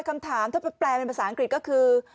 คำถามถ้าไปแปลเป็นภาษาอังกฤษก็คือ